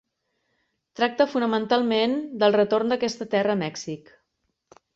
Tracta fonamentalment del retorn d'aquesta terra a Mèxic.